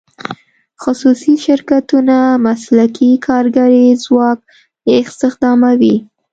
خصوصي شرکتونه مسلکي کارګري ځواک استخداموي.